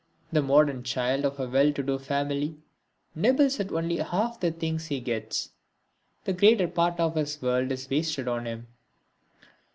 The modern child of a well to do family nibbles at only half the things he gets; the greater part of his world is wasted on him.